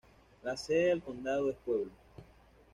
La sede del condado es Pueblo.